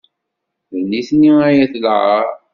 D nitni ay d lɛaṛ.